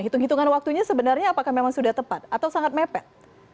hitung hitungan waktunya sebenarnya apakah memang sudah tepat atau sangat mepet